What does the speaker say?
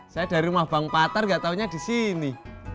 saya dari rumah bang patar nggak taunya di sini